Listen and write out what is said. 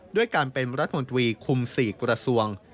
ด้วยการเป็นรัฐมนตรีคุม๔กระทรวง